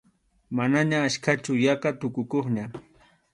Manaña achkachu, yaqa tukukuqña.